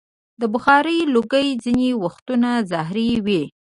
د بخارۍ لوګی ځینې وختونه زهري وي.